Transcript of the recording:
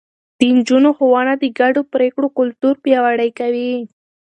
د نجونو ښوونه د ګډو پرېکړو کلتور پياوړی کوي.